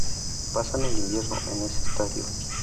Pasan el invierno en ese estadio.